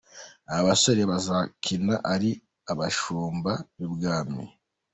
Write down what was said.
Aba basore bazakina ari abashumba b'ibwami.